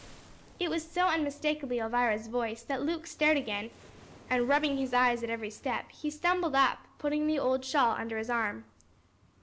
It was so unmistakably Elvira's voice that Luke stared again, and, rubbing his eyes at every step, he stumbled up, putting the old shawl under his arm.